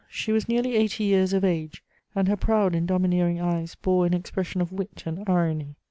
She was nearly eighty years of age, and her proud and domineering eyes bore an expression of wit and irony.